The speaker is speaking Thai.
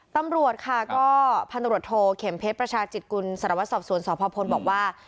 ตำรวจค่ะก็พันตรวจโทเข็มเพชรประชาจิตกุลสารวัตรสอบสวนสพพลบอกว่า